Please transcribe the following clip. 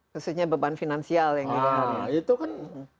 maksudnya beban finansial yang diperlukan